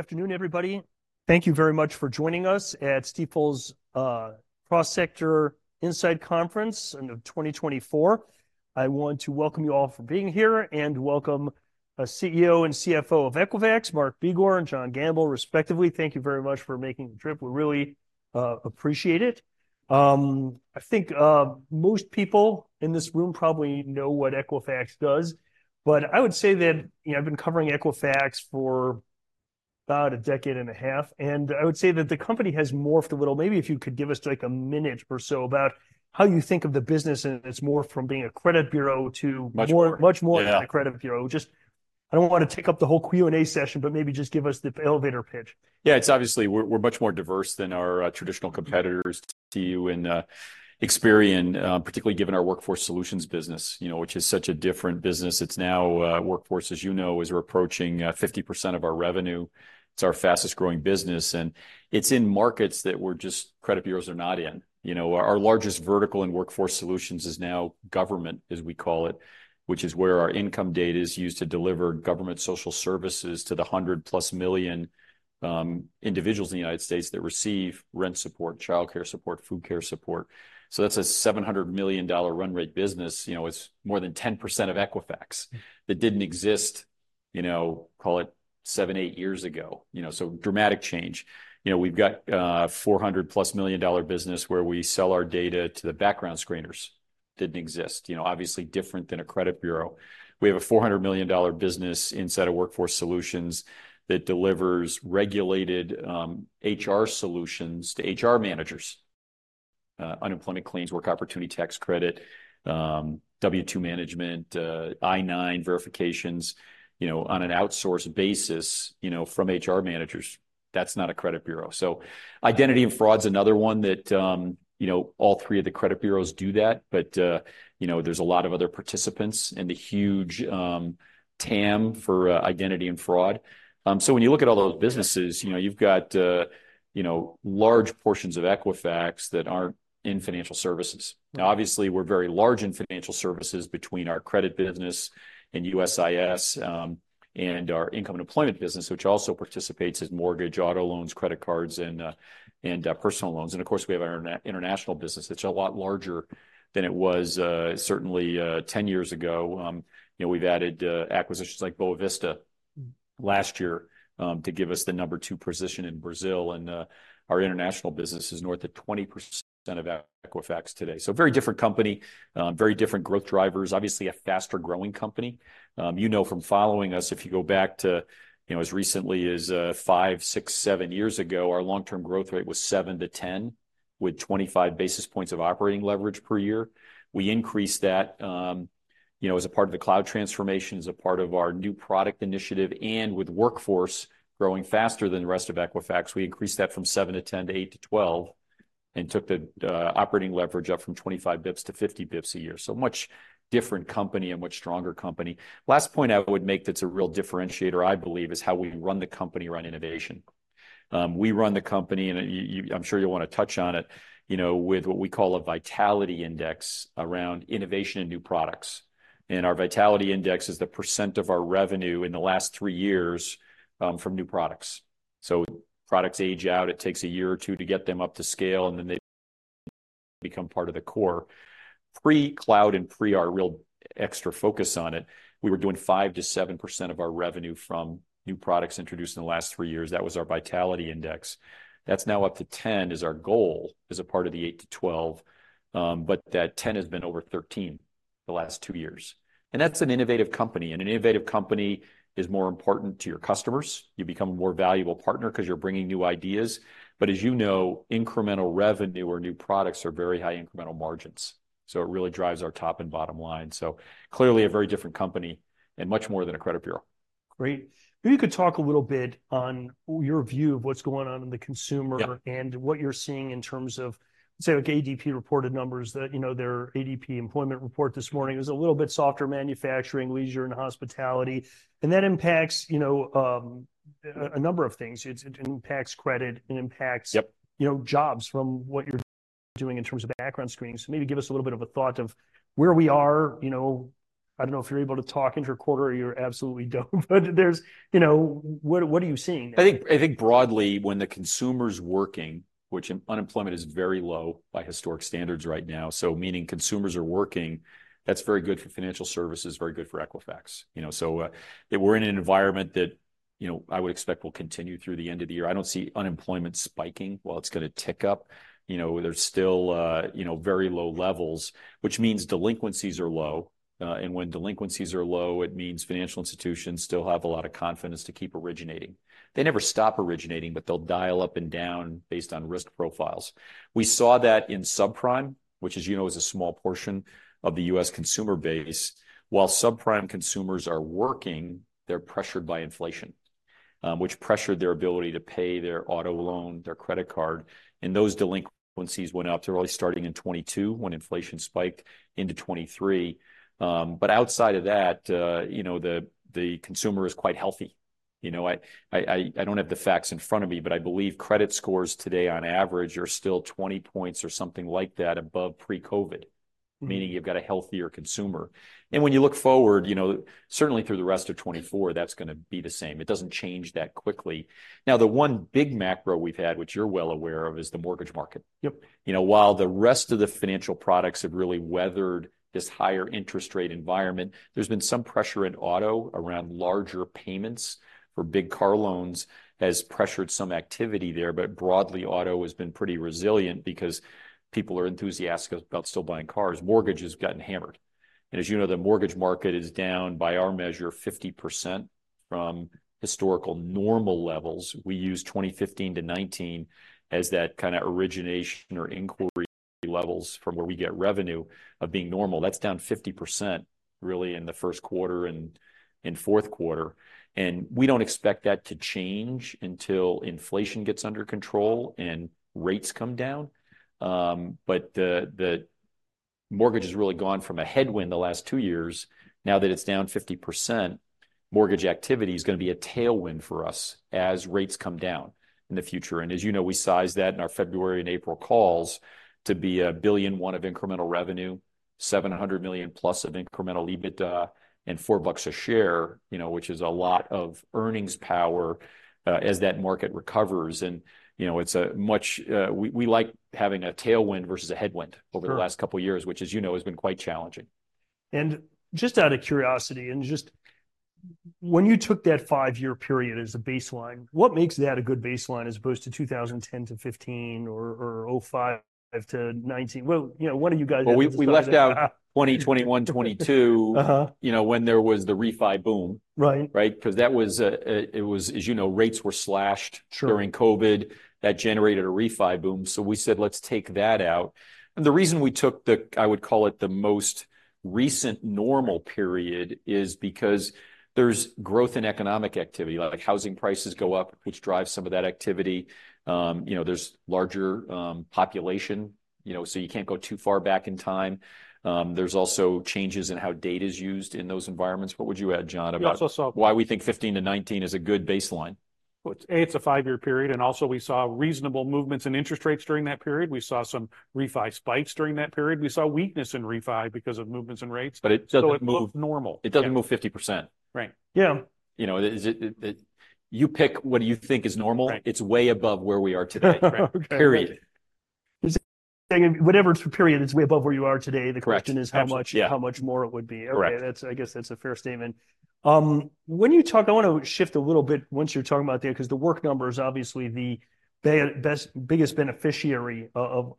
Good afternoon, everybody. Thank you very much for joining us at Stifel's Cross Sector Insight Conference in 2024. I want to welcome you all for being here, and welcome our CEO and CFO of Equifax, Mark Begor and John Gamble, respectively. Thank you very much for making the trip. We really appreciate it. I think most people in this room probably know what Equifax does, but I would say that, you know, I've been covering Equifax for about a decade and a half, and I would say that the company has morphed a little. Maybe if you could give us, like, a minute or so about how you think of the business, and it's morphed from being a credit bureau to- Much more. much more- Yeah.... than a credit bureau. Just, I don't wanna take up the whole Q&A session, but maybe just give us the elevator pitch. Yeah, it's obviously we're much more diverse than our traditional competitors, TU and Experian, particularly given our Workforce Solutions business, you know, which is such a different business. It's now Workforce, as you know, as we're approaching 50% of our revenue. It's our fastest-growing business, and it's in markets that we're just, credit bureaus are not in. You know, our largest vertical in Workforce Solutions is now Government, as we call it, which is where our income data is used to deliver Government social services to the 100+ million individuals in the United States that receive rent support, childcare support, food care support. So that's a $700 million run rate business. You know, it's more than 10% of Equifax- that didn't exist, you know, call it 7, 8 years ago. You know, so dramatic change. You know, we've got a $400+ million business where we sell our data to the background screeners. Didn't exist, you know, obviously different than a credit bureau. We have a $400 million business inside of Workforce Solutions that delivers regulated HR solutions to HR managers. Unemployment claims, Work Opportunity Tax Credit, W-2 management, I-9 verifications, you know, on an outsourced basis, you know, from HR managers. That's not a credit bureau. So Identity and Fraud's another one that, you know, all three of the credit bureaus do that, but, you know, there's a lot of other participants in the huge TAM for Identity and Fraud. So when you look at all those businesses, you know, you've got, you know, large portions of Equifax that aren't in financial services. Now, obviously, we're very large in financial services between our credit business and USIS, and our income and employment business, which also participates as mortgage, auto loans, credit cards, and personal loans. And of course, we have our international business, which is a lot larger than it was, certainly, 10 years ago. You know, we've added acquisitions like Boa Vista last year, to give us the number two position in Brazil, and our international business is north of 20% of Equifax today. So a very different company, very different growth drivers, obviously a faster-growing company. You know, from following us, if you go back to, you know, as recently as 5, 6, 7 years ago, our long-term growth rate was 7% to 10%, with 25 basis points of operating leverage per year. We increased that, you know, as a part of the cloud transformation, as a part of our new product initiative, and with Workforce growing faster than the rest of Equifax, we increased that from 7% to 10% to 8% to 12% and took the operating leverage up from 25 basis points to 50 basis points a year. So a much different company and much stronger company. Last point I would make that's a real differentiator, I believe, is how we run the company around innovation. We run the company, and you, you... I'm sure you'll wanna touch on it, you know, with what we call a Vitality Index around innovation and new products. Our Vitality Index is the percent of our revenue in the last three years from new products. So products age out, it takes a year or two to get them up to scale, and then they become part of the core. Pre-cloud and pre our real extra focus on it, we were doing 5%-7% of our revenue from new products introduced in the last three years. That was our Vitality Index. That's now up to 10%, is our goal, as a part of the 8% to 12%, but that 10% has been over 13% the last two years. And that's an innovative company, and an innovative company is more important to your customers. You become a more valuable partner 'cause you're bringing new ideas. But as you know, incremental revenue or new products are very high incremental margins, so it really drives our top and bottom line. So clearly, a very different company and much more than a credit bureau. Great. Maybe you could talk a little bit on your view of what's going on in the consumer- Yeah.... and what you're seeing in terms of, say, like, ADP-reported numbers, that, you know, their ADP employment report this morning was a little bit softer, manufacturing, leisure, and hospitality. And that impacts, you know, a number of things. It, it impacts credit, it impacts- Yep.... you know, jobs from what you're doing in terms of background screening. So maybe give us a little bit of a thought of where we are, you know. I don't know if you're able to talk interquarter or you're absolutely dope, but there's... You know, what, what are you seeing? I think, I think broadly, when the consumer's working, which unemployment is very low by historic standards right now, so meaning consumers are working, that's very good for financial services, very good for Equifax. You know, so, that we're in an environment that, you know, I would expect will continue through the end of the year. I don't see unemployment spiking. While it's gonna tick up, you know, there's still, you know, very low levels, which means delinquencies are low. And when delinquencies are low, it means financial institutions still have a lot of confidence to keep originating. They never stop originating, but they'll dial up and down based on risk profiles. We saw that in subprime, which, as you know, is a small portion of the U.S. consumer base. While subprime consumers are working, they're pressured by inflation, which pressured their ability to pay their auto loan, their credit card, and those delinquencies went up. They're really starting in 2022, when inflation spiked, into 2023. But outside of that, you know, the consumer is quite healthy. You know, I don't have the facts in front of me, but I believe credit scores today, on average, are still 20 points or something like that above pre-COVID, meaning you've got a healthier consumer. When you look forward, you know, certainly through the rest of 2024, that's gonna be the same. It doesn't change that quickly. Now, the one big macro we've had, which you're well aware of, is the mortgage market. Yep. You know, while the rest of the financial products have really weathered this higher interest rate environment, there's been some pressure in auto around larger payments for big car loans, has pressured some activity there. But broadly, auto has been pretty resilient because people are enthusiastic about still buying cars. Mortgage has gotten hammered. As you know, the mortgage market is down, by our measure, 50% from historical normal levels. We use 2015-2019 as that kind of origination or inquiry levels from where we get revenue of being normal. That's down 50%, really, in the first quarter and fourth quarter, and we don't expect that to change until inflation gets under control and rates come down. But the mortgage has really gone from a headwind the last two years. Now that it's down 50%, mortgage activity is gonna be a tailwind for us as rates come down in the future. And as you know, we sized that in our February and April calls to be $1.1 billion of incremental revenue, $700 million plus of incremental EBITDA, and $4 a share, you know, which is a lot of earnings power as that market recovers. And, you know, it's a much... We like having a tailwind versus a headwind- Sure.... over the last couple of years, which, as you know, has been quite challenging. And just out of curiosity, when you took that five-year period as a baseline, what makes that a good baseline as opposed to 2010-2015 or 2005-2019? Well, you know, one of you guys- Well, we left out 2020, 2021, 2022- Uh-huh.... you know, when there was the refi boom. Right. Right? 'Cause that was, as you know, rates were slashed- Sure.... during COVID. That generated a refi boom, so we said, "Let's take that out." And the reason we took the, I would call it, the most recent normal period, is because there's growth in economic activity. Like, housing prices go up, which drives some of that activity. You know, there's larger population, you know, so you can't go too far back in time. There's also changes in how data is used in those environments. What would you add, John, about- Yeah, I also saw-... why we think 2015-2019 is a good baseline? Well, A, it's a five-year period, and also we saw reasonable movements in interest rates during that period. We saw some refi spikes during that period. We saw weakness in refi because of movements in rates. But it doesn't move- It looked normal. It doesn't move 50%. Right. Yeah. You know, you pick what you think is normal- Right.... it's way above where we are today. Okay. Period. Whatever period, it's way above where you are today. Correct. The question is how much- Yeah.... how much more it would be. Correct. Okay, that's, I guess that's a fair statement. When you talk—I want to shift a little bit once you're talking about there, 'cause The Work Number is obviously the best, biggest beneficiary of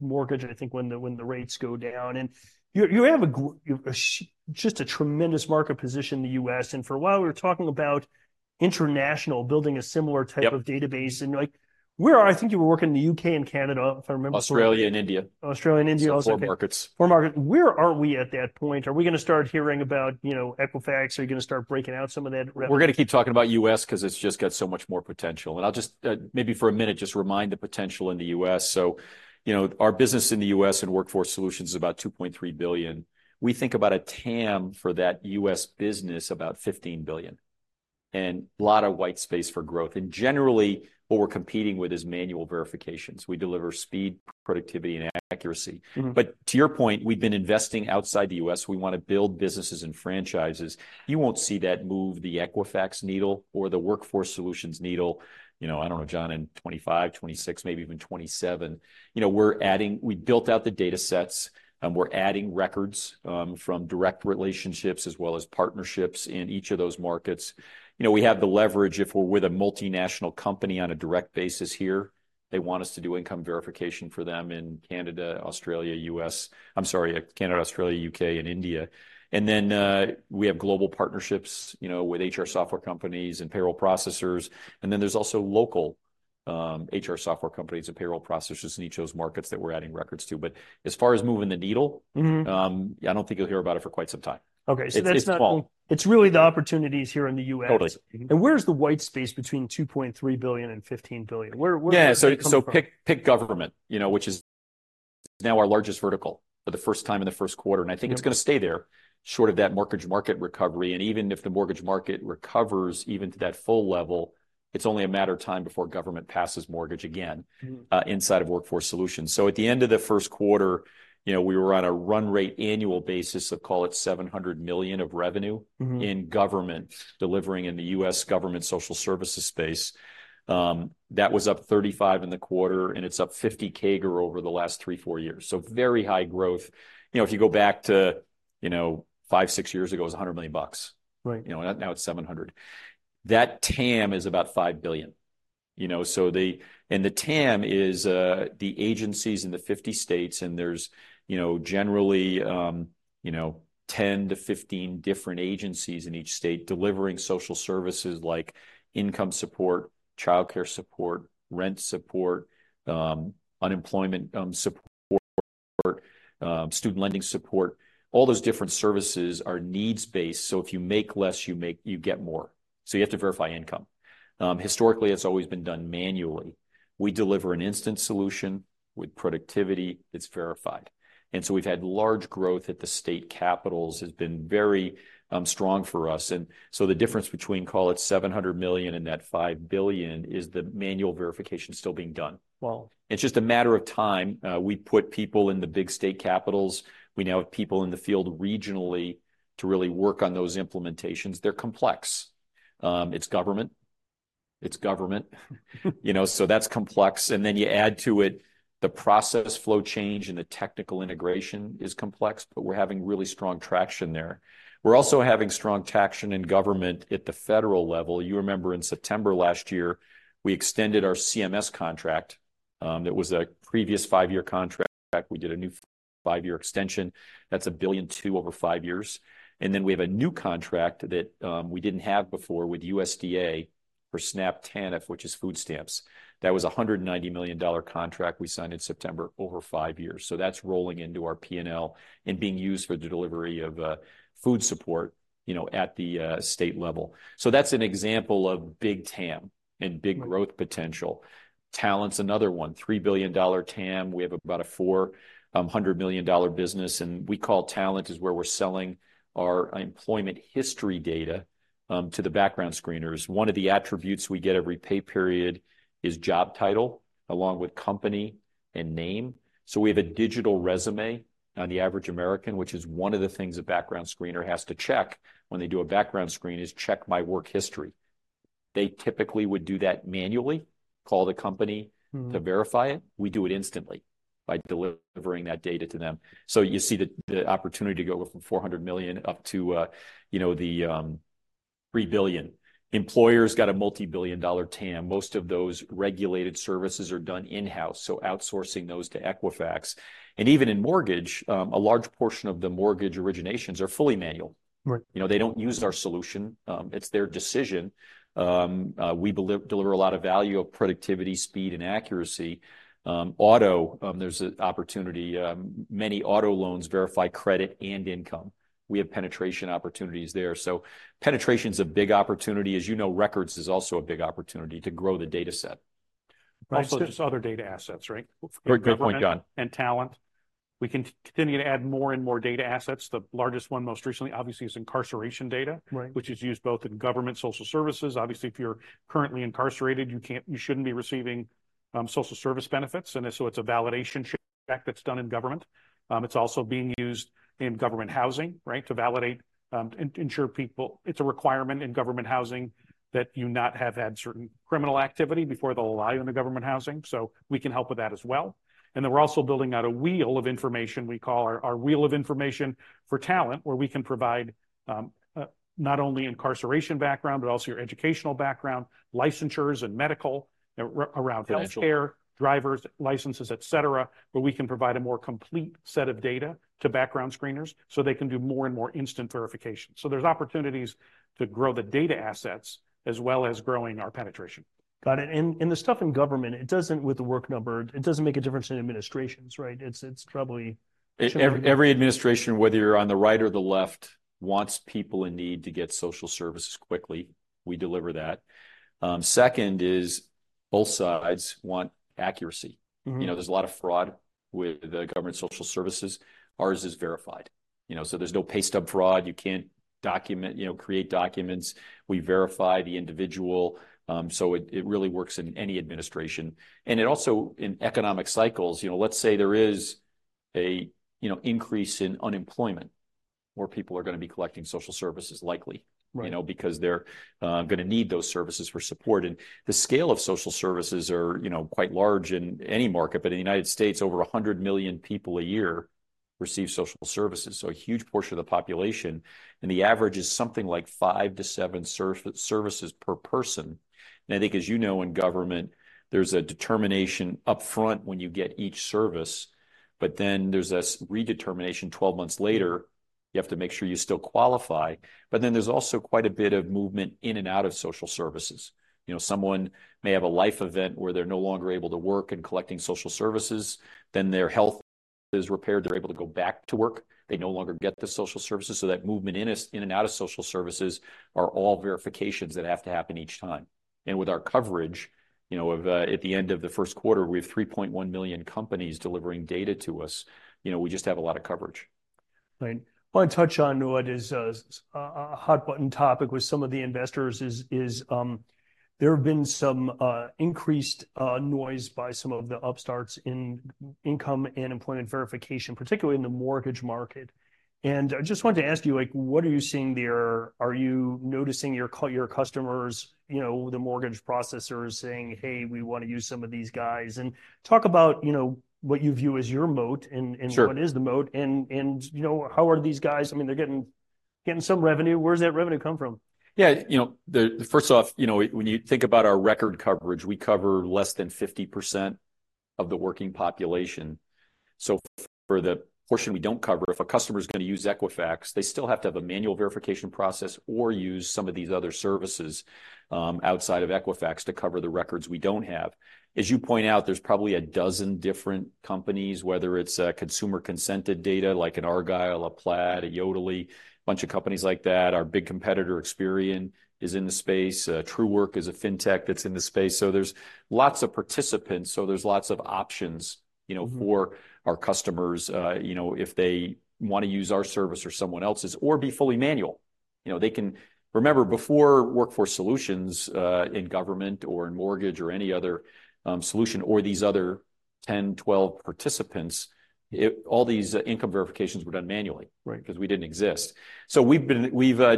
mortgage, I think when the rates go down. And you have just a tremendous market position in the U.S., and for a while we were talking about international, building a similar type- Yep... of database. And, like, I think you were working in the U.K. and Canada, if I remember correctly. Australia and India. Australia and India. Four markets. Four markets. Where are we at that point? Are we gonna start hearing about, you know, Equifax? Are you gonna start breaking out some of that revenue? We're gonna keep talking about the U.S. 'cause it's just got so much more potential. I'll just maybe for a minute just remind the potential in the U.S. So, you know, our business in the U.S. in Workforce Solutions is about $2.3 billion. We think about a TAM for that U.S. business, about $15 billion, and a lot of white space for growth. And generally, what we're competing with is manual verifications. We deliver speed, productivity, and accuracy. Mm-hmm. But to your point, we've been investing outside the U.S. We want to build businesses and franchises. You won't see that move the Equifax needle or the Workforce Solutions needle, you know, I don't know, John, in 2025, 2026, maybe even 2027. You know, we're adding. We built out the data sets, and we're adding records from direct relationships as well as partnerships in each of those markets. You know, we have the leverage, if we're with a multinational company on a direct basis here, they want us to do income verification for them in Canada, Australia, U.S. I'm sorry, Canada, Australia, U.K., and India. And then we have global partnerships, you know, with HR software companies and payroll processors. And then there's also local HR software companies and payroll processors in each of those markets that we're adding records to. But as far as moving the needle- Mm-hmm.... yeah, I don't think you'll hear about it for quite some time. Okay, so that's not- It's just small. It's really the opportunities here in the U.S. Totally. Where's the white space between $2.3 billion and $15 billion? Where, where- Yeah.... does it come from? So, pick Government, you know, which is now our largest vertical for the first time in the first quarter. Yep. I think it's gonna stay there, short of that mortgage market recovery. Even if the mortgage market recovers, even to that full level, it's only a matter of time before Government passes mortgage again inside of Workforce Solutions. So at the end of the first quarter, you know, we were on a run rate annual basis of, call it, $700 million of revenue- Mm-hmm. ...in Government, delivering in the U.S. Government social services space. That was up 35% in the quarter, and it's up 50% CAGR over the last 3 or 4 years, so very high growth. You know, if you go back to, you know, 5 or 6 years ago, it was $100 million bucks. Right. You know, and now it's $700 million. That TAM is about $5 billion, you know, so the... And the TAM is, the agencies in the 50 states, and there's, you know, generally, 10-15 different agencies in each state delivering social services, like income support, childcare support, rent support, unemployment support, student lending support. All those different services are needs-based, so if you make less, you make- you get more, so you have to verify income. Historically, it's always been done manually. We deliver an instant solution with productivity, it's verified. And so we've had large growth at the state capitals, has been very, strong for us. And so the difference between, call it, $700 million and that $5 billion is the manual verification still being done. Well- It's just a matter of time. We put people in the big state capitals. We now have people in the field regionally to really work on those implementations. They're complex. It's Government. It's Government, you know, so that's complex, and then you add to it the process flow change and the technical integration is complex, but we're having really strong traction there. We're also having strong traction in Government at the federal level. You remember in September last year, we extended our CMS contract, that was a previous five-year contract. We did a new five-year extension. That's $1.2 billion over five years, and then we have a new contract that, we didn't have before with USDA for SNAP TANF, which is food stamps. That was a $190 million contract we signed in September over five years. So that's rolling into our P&L and being used for the delivery of, food support, you know, at the, state level. So that's an example of big TAM and big growth potential. Talent's another one, $3 billion TAM. We have about a $400 million business, and we call Talent is where we're selling our employment history data, to the background screeners. One of the attributes we get every pay period is job title, along with company and name. So we have a digital resume on the average American, which is one of the things a background screener has to check when they do a background screen, is check my work history. They typically would do that manually, call the company to verify it. We do it instantly by delivering that data to them. So you see the opportunity to go from $400 million up to, you know, the $3 billion. Employers got a multi-billion-dollar TAM. Most of those regulated services are done in-house, so outsourcing those to Equifax. And even in mortgage, a large portion of the mortgage originations are fully manual. Right. You know, they don't use our solution. It's their decision. We deliver a lot of value of productivity, speed, and accuracy. Auto, there's an opportunity. Many auto loans verify credit and income. We have penetration opportunities there. So penetration's a big opportunity. As you know, records is also a big opportunity to grow the data set. Plus, there's other data assets, right? Great, great point, John. And talent. We continue to add more and more data assets. The largest one, most recently, obviously, is incarceration data, right, which is used both in Government social services. Obviously, if you're currently incarcerated, you can't - you shouldn't be receiving social service benefits, and so it's a validation check that's done in Government. It's also being used in Government housing, right, to validate, ensure people. It's a requirement in Government housing that you not have had certain criminal activity before they'll allow you into Government housing. So we can help with that as well. And then we're also building out a Wheel of Information we call our Wheel of Information for talent, where we can provide not only incarceration background, but also your educational background, licensures and medical around potential healthcare, driver's licenses, et cetera, where we can provide a more complete set of data to background screeners so they can do more and more instant verification. So there's opportunities to grow the data assets, as well as growing our penetration. Got it. And the stuff in Government, with The Work Number, it doesn't make a difference in administrations, right? It's every administration, whether you're on the right or the left, wants people in need to get social services quickly. We deliver that. Second is, both sides want accuracy. Mm-hmm. You know, there's a lot of fraud with the Government social services. Ours is verified, you know, so there's no pay stub fraud. You can't document... You know, create documents. We verify the individual, so it really works in any administration. It also, in economic cycles, you know, let's say there is a, you know, increase in unemployment, more people are gonna be collecting social services, likely. Right... you know, because they're gonna need those services for support. And the scale of social services are, you know, quite large in any market, but in the United States, over 100 million people a year receive social services, so a huge portion of the population, and the average is something like 5-7 services per person. And I think, as you know, in Government, there's a determination up front when you get each service, but then there's this redetermination 12 months later, you have to make sure you still qualify. But then there's also quite a bit of movement in and out of social services. You know, someone may have a life event where they're no longer able to work and collecting social services, then their health is repaired, they're able to go back to work, they no longer get the social services. So that movement in and out of social services are all verifications that have to happen each time. And with our coverage, you know, of at the end of the first quarter, we have 3.1 million companies delivering data to us. You know, we just have a lot of coverage. Right. Wanna touch on what is a hot-button topic with some of the investors is there have been some increased noise by some of the upstarts in income and employment verification, particularly in the mortgage market. And I just wanted to ask you, like, what are you seeing there? Are you noticing your customers, you know, the mortgage processors, saying, "Hey, we want to use some of these guys"? And talk about, you know, what you view as your moat, and what is the moat, and, you know, how are these guys. I mean, they're getting some revenue. Where does that revenue come from? Yeah, you know, first off, when you think about our record coverage, we cover less than 50% of the working population. So for the portion we don't cover, if a customer is gonna use Equifax, they still have to have a manual verification process or use some of these other services outside of Equifax to cover the records we don't have. As you point out, there's probably a dozen different companies, whether it's a consumer-consented data, like an Argyle, a Plaid, a Yodlee, bunch of companies like that. Our big competitor, Experian, is in the space. Truework is a fintech that's in the space. So there's lots of participants, so there's lots of options, you know—for our customers, you know, if they want to use our service or someone else's, or be fully manual. You know, they can. Remember, before Workforce Solutions, in Government or in mortgage or any other solution or these other—10, 12 participants, it, all these income verifications were done manually. Right. Because we didn't exist. So we've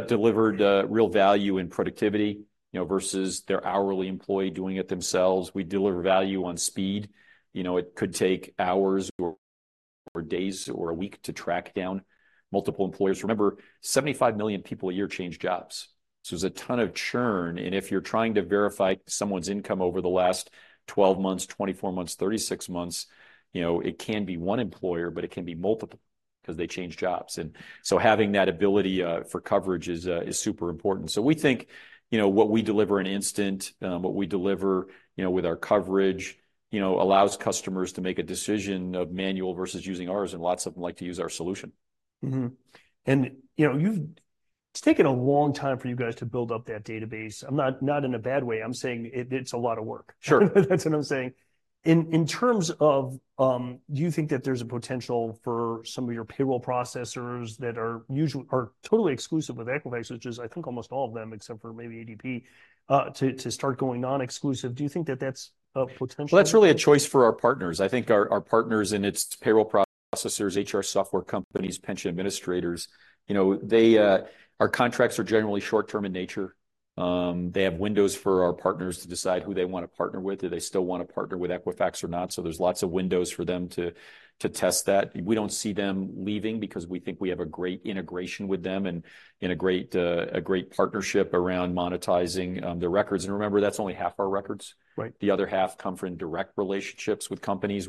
delivered real value in productivity, you know, versus their hourly employee doing it themselves. We deliver value on speed. You know, it could take hours or days or a week to track down multiple employers. Remember, 75 million people a year change jobs, so there's a ton of churn, and if you're trying to verify someone's income over the last 12 months, 24 months, 36 months, you know, it can be one employer, but it can be multiple because they change jobs. And so having that ability for coverage is super important. So we think, you know, what we deliver in instant, what we deliver, you know, with our coverage, you know, allows customers to make a decision of manual versus using ours, and lots of them like to use our solution. Mm-hmm. And, you know, it's taken a long time for you guys to build up that database. I'm not, not in a bad way. I'm saying it, it's a lot of work. Sure. That's what I'm saying. In terms of, do you think that there's a potential for some of your payroll processors that are usually are totally exclusive with Equifax, which is, I think, almost all of them, except for maybe ADP, to start going non-exclusive? Do you think that that's a potential? Well, that's really a choice for our partners. I think our, our partners, and it's payroll processors, HR software companies, pension administrators, you know, they... Our contracts are generally short-term in nature. They have windows for our partners to decide who they want to partner with. Do they still want to partner with Equifax or not? So there's lots of windows for them to, to test that. We don't see them leaving because we think we have a great integration with them and, and a great, a great partnership around monetizing their records. And remember, that's only half our records. Right. The other half come from direct relationships with companies.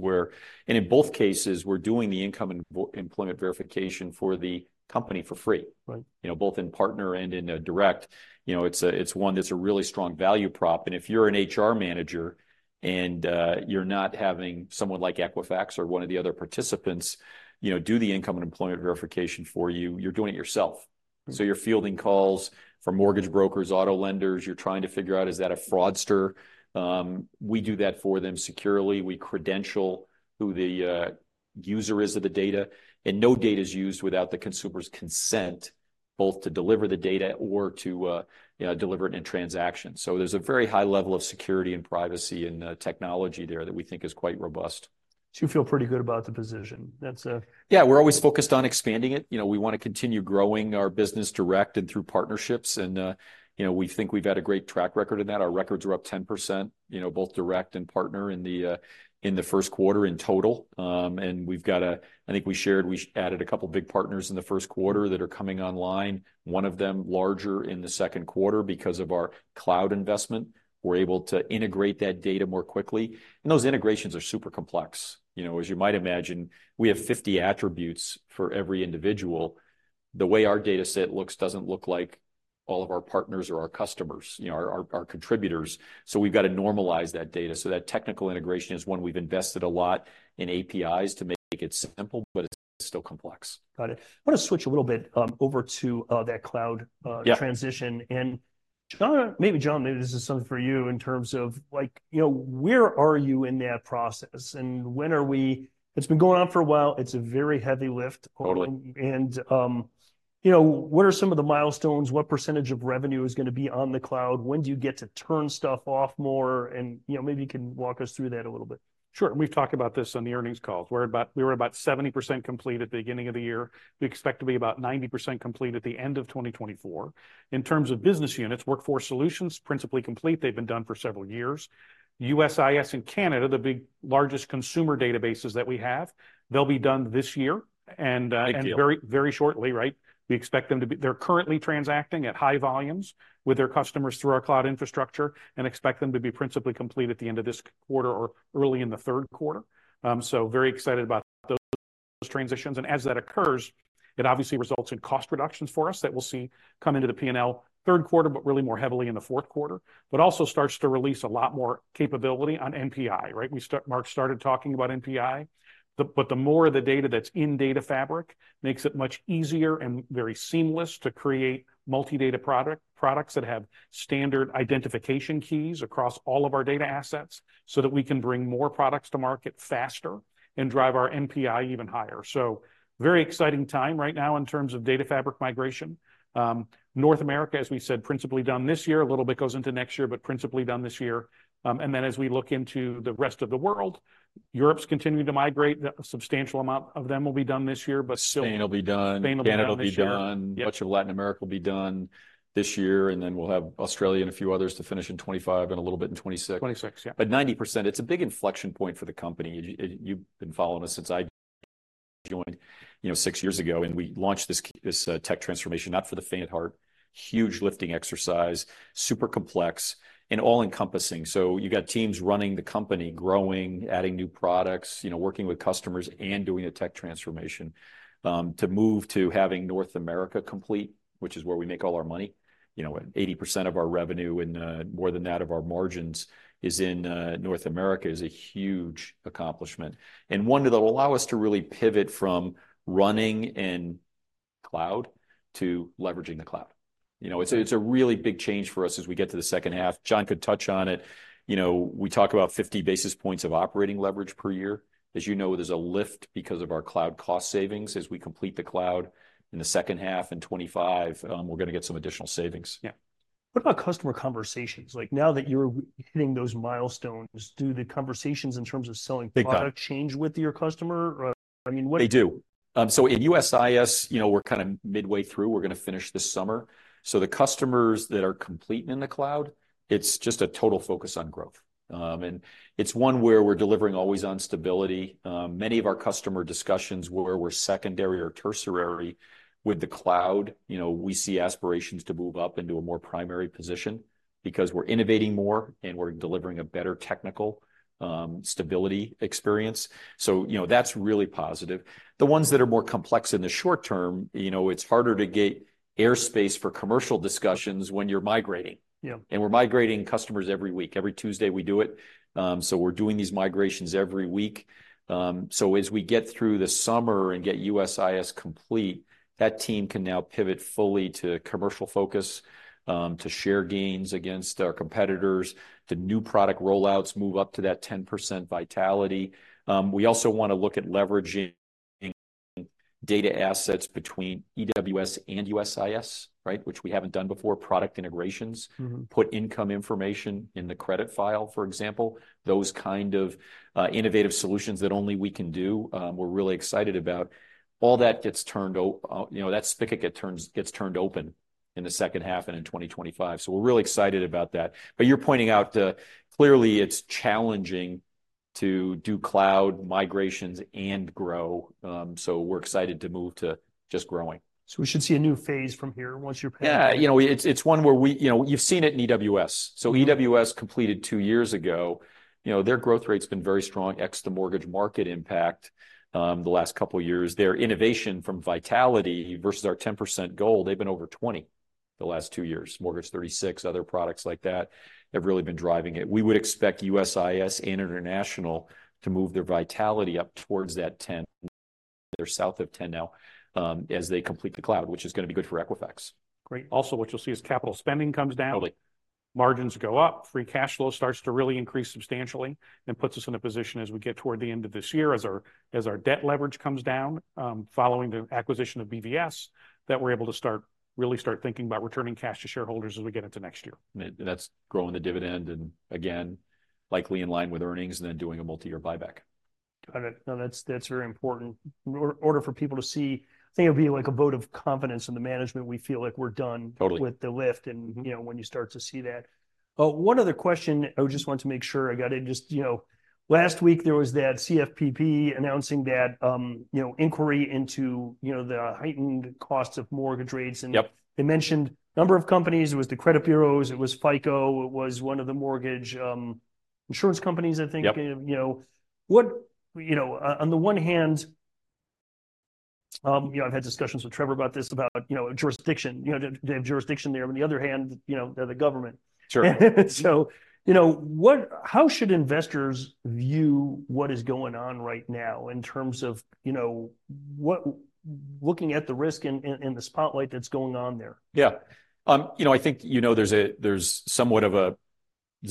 In both cases, we're doing the income and employment verification for the company for free. Right.... you know, both in partner and in direct. You know, it's one that's a really strong value prop, and if you're an HR manager, and you're not having someone like Equifax or one of the other participants, you know, do the income and employment verification for you, you're doing it yourself. So you're fielding calls from mortgage brokers, auto lenders. You're trying to figure out: Is that a fraudster? We do that for them securely. We credential who the user is of the data, and no data is used without the consumer's consent, both to deliver the data or to, you know, deliver it in a transaction. So there's a very high level of security and privacy and technology there that we think is quite robust. So you feel pretty good about the position? That's- Yeah, we're always focused on expanding it. You know, we want to continue growing our business direct and through partnerships, and, you know, we think we've had a great track record in that. Our records are up 10%, you know, both direct and partner in the, in the first quarter in total. And we've got a-- I think we shared, we added a couple big partners in the first quarter that are coming online, one of them larger in the second quarter. Because of our cloud investment, we're able to integrate that data more quickly, and those integrations are super complex. You know, as you might imagine, we have 50 attributes for every individual. The way our dataset looks doesn't look like all of our partners or our customers, you know, our contributors. So we've got to normalize that data. That technical integration is one we've invested a lot in APIs to make it simple, but it's still complex. Got it. I want to switch a little bit over to that cloud. Yeah.... transition. And, maybe, John, maybe this is something for you in terms of, like, you know, where are you in that process, and when are we-- It's been going on for a while. It's a very heavy lift. Totally. And, you know, what are some of the milestones? What percentage of revenue is gonna be on the cloud? When do you get to turn stuff off more? And, you know, maybe you can walk us through that a little bit. Sure, and we've talked about this on the earnings calls, where we were about 70% complete at the beginning of the year. We expect to be about 90% complete at the end of 2024. In terms of business units, Workforce Solutions, principally complete, they've been done for several years. USIS and Canada, the big, largest consumer databases that we have, they'll be done this year, and... very, very shortly, right? We expect them to be. They're currently transacting at high volumes with their customers through our cloud infrastructure and expect them to be principally complete at the end of this quarter or early in the third quarter. So very excited about those transitions. And as that occurs, it obviously results in cost reductions for us that we'll see come into the P&L third quarter, but really more heavily in the fourth quarter, but also starts to release a lot more capability on NPI, right? We start. Mark started talking about NPI. But the more of the data that's in data fabric makes it much easier and very seamless to create multi-data products that have standard identification keys across all of our data assets, so that we can bring more products to market faster and drive our NPI even higher. So very exciting time right now in terms of Data Fabric migration. North America, as we said, principally done this year. A little bit goes into next year, but principally done this year. And then, as we look into the rest of the world, Europe's continuing to migrate. A substantial amount of them will be done this year, but still- Spain will be done. Spain will be done this year. Canada will be done. Yeah. Much of Latin America will be done this year, and then we'll have Australia and a few others to finish in 2025 and a little bit in 2026. 2026, yeah. But 90%, it's a big inflection point for the company. You, you've been following us since I joined, you know, 6 years ago, and we launched this tech transformation, not for the faint of heart. Huge lifting exercise, super complex and all-encompassing. So you've got teams running the company, growing, adding new products, you know, working with customers, and doing a tech transformation. To move to having North America complete, which is where we make all our money, you know, 80% of our revenue and more than that of our margins is in North America, is a huge accomplishment, and one that will allow us to really pivot from running in cloud to leveraging the cloud. You know, it's a really big change for us as we get to the second half. John could touch on it. You know, we talk about 50 basis points of operating leverage per year. As you know, there's a lift because of our cloud cost savings. As we complete the cloud in the second half in 2025, we're gonna get some additional savings. Yeah.... What about customer conversations? Like, now that you're hitting those milestones, do the conversations in terms of selling- Big time. -product change with your customer? I mean, what- They do. So in USIS, you know, we're kind of midway through. We're gonna finish this summer. So the customers that are complete in the cloud, it's just a total focus on growth. And it's one where we're delivering always on stability. Many of our customer discussions where we're secondary or tertiary with the cloud, you know, we see aspirations to move up into a more primary position because we're innovating more, and we're delivering a better technical stability experience. So, you know, that's really positive. The ones that are more complex in the short term, you know, it's harder to get airspace for commercial discussions when you're migrating. Yeah. We're migrating customers every week. Every Tuesday we do it. So we're doing these migrations every week. So as we get through the summer and get USIS complete, that team can now pivot fully to commercial focus, to share gains against our competitors, the new product roll-outs move up to that 10% Vitality. We also want to look at leveraging data assets between EWS and USIS, right? Which we haven't done before. Product integrations- Mm-hmm. Put income information in the credit file, for example. Those kind of innovative solutions that only we can do, we're really excited about. All that gets turned, you know, that spigot gets turned open in the second half and in 2025, so we're really excited about that. But you're pointing out, clearly it's challenging to do cloud migrations and grow. So we're excited to move to just growing. So we should see a new phase from here once you're past- Yeah, you know, it's one where we... You know, you've seen it in EWS. EWS completed two years ago. You know, their growth rate's been very strong, ex the mortgage market impact, the last couple of years. Their innovation from Vitality versus our 10% goal, they've been over 20 the last two years. Mortgage 36, other products like that, have really been driving it. We would expect USIS and International to move their Vitality up towards that 10. They're south of 10 now, as they complete the cloud, which is gonna be good for Equifax. Great. Also, what you'll see is capital spending comes down. Totally.... margins go up, free cash flow starts to really increase substantially, and puts us in a position as we get toward the end of this year, as our debt leverage comes down, following the acquisition of BVS, that we're able to start, really start thinking about returning cash to shareholders as we get into next year. And that's growing the dividend, and again, likely in line with earnings, and then doing a multi-year buyback. Got it. No, that's, that's very important. In order for people to see... I think it'll be like a vote of confidence in the management. We feel like we're done- Totally.... with the lift, and, you know, when you start to see that. One other question, I just want to make sure I got in. Just, you know, last week there was that CFPB announcing that, you know, inquiry into, you know, the heightened cost of mortgage rates, and- Yep.... they mentioned a number of companies. It was the credit bureaus, it was FICO, it was one of the mortgage, insurance companies, I think. Yep. You know, on the one hand, you know, I've had discussions with Trevor about this, about, you know, jurisdiction. You know, they have jurisdiction there, on the other hand, you know, they're the Government. Sure. So, you know, how should investors view what is going on right now in terms of, you know, what, looking at the risk in the spotlight that's going on there? Yeah. You know, I think, you know, there's somewhat of a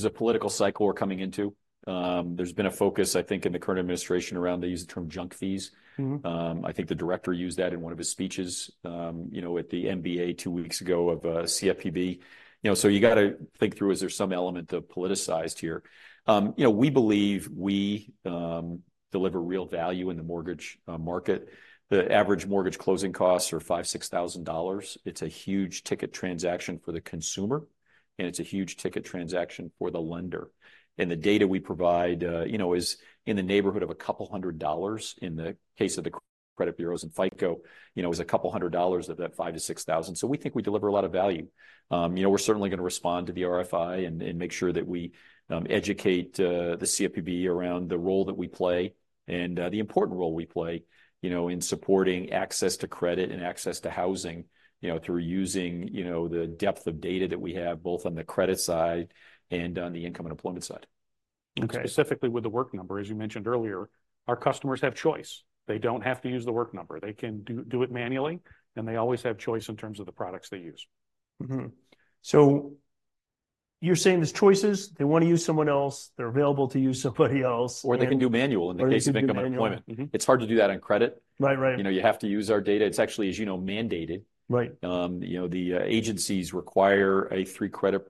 political cycle we're coming into. There's been a focus, I think, in the current administration around, they use the term junk fees. Mm-hmm. I think the director used that in one of his speeches, you know, at the MBA two weeks ago of CFPB. You know, so you got to think through, is there some element of politicization here? You know, we believe we deliver real value in the mortgage market. The average mortgage closing costs are $5,000, $6,000. It's a huge ticket transaction for the consumer, and it's a huge ticket transaction for the lender. And the data we provide, you know, is in the neighborhood of a couple of hundred dollars in the case of the credit bureaus, and FICO, you know, is a couple of hundred dollars of that $5,000-$6,000. So we think we deliver a lot of value. You know, we're certainly gonna respond to the RFI and make sure that we educate the CFPB around the role that we play and the important role we play, you know, in supporting access to credit and access to housing, you know, through using, you know, the depth of data that we have, both on the credit side and on the income and employment side. Okay. Specifically with The Work Number, as you mentioned earlier, our customers have choice. They don't have to use The Work Number. They can do it manually, and they always have choice in terms of the products they use. Mm-hmm. So you're saying there's choices, they want to use someone else, they're available to use somebody else, and- Or they can do manual in the case of- Or they can do manual.... income and employment. Mm-hmm. It's hard to do that on credit. Right, right. You know, you have to use our data. It's actually, as you know, mandated. Right. You know, the agencies require a three-credit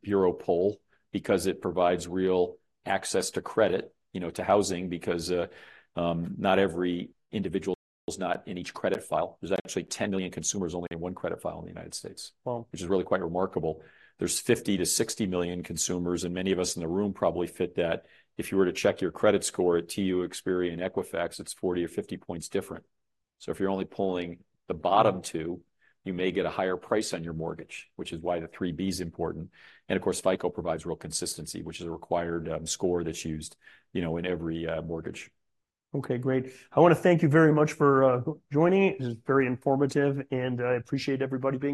bureau pull because it provides real access to credit, you know, to housing, because not every individual is not in each credit file. There's actually 10 million consumers only in one credit file in the United States- Wow! which is really quite remarkable. There's 50 million-60 million consumers, and many of us in the room probably fit that. If you were to check your credit score at TU, Experian, Equifax, it's 40 or 50 points different. So if you're only pulling the bottom two, you may get a higher price on your mortgage, which is why the 3B is important. And of course, FICO provides real consistency, which is a required score that's used, you know, in every mortgage. Okay, great. I want to thank you very much for joining. This is very informative, and I appreciate everybody being-